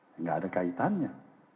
tidak ada kaitannya